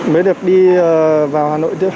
mới được đi vào hà nội